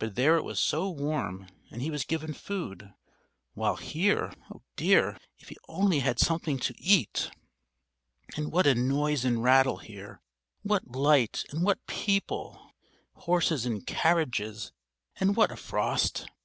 But there it was so warm and he was given food, while here oh, dear, if he only had something to eat! And what a noise and rattle here, what light and what people, horses and carriages, and what a frost!